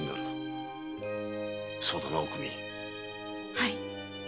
はい。